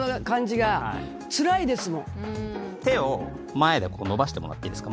手を前で伸ばしてもらっていいですか？